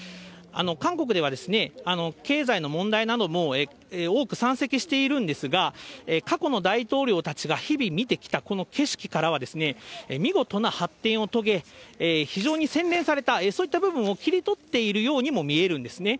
韓国では、経済の問題なども多く山積しているんですが、過去の大統領たちが日々見てきたこの景色からは、見事な発展を遂げ、非常に洗練された、そういった部分を切り取っているようにも見えるんですね。